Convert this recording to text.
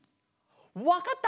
わかった！